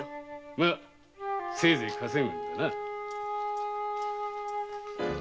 ませいぜい稼ぐんだな。